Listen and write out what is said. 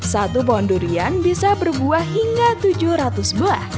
satu pohon durian bisa berbuah hingga tujuh ratus buah